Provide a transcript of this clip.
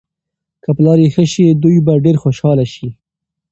که پلار یې ښه شي، دوی به ډېر خوشحاله شي.